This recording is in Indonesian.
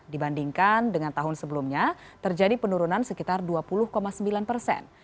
dibandingkan dengan tahun sebelumnya terjadi penurunan sekitar dua puluh sembilan persen